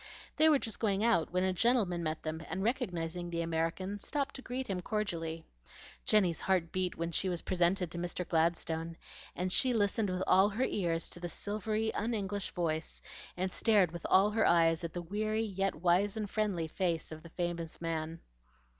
They were just going out when a gentleman met them, and recognizing the American stopped to greet him cordially. Jenny's heart beat when she was presented to Mr. Gladstone, and she listened with all her ears to the silvery un English voice, and stared with all her eyes at the weary yet wise and friendly face of the famous man.